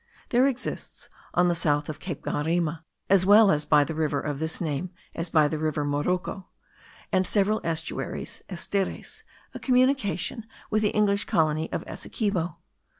There exists on the south of Cape Barima, as well by the river of this name as by the Rio Moroca and several estuaries (esteres) a communication with the English colony of Essequibo.